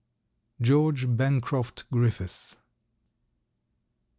—George Bancroft Griffith.